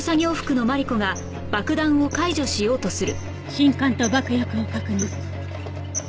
信管と爆薬を確認。